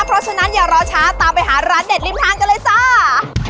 เพราะฉะนั้นอย่ารอช้าตามไปหาร้านเด็ดริมทางกันเลยจ้า